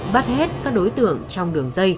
bắt hết các đối tượng trong đường dây